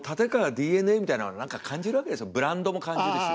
ＤＮＡみたいなの何か感じるわけですよブランドも感じるし。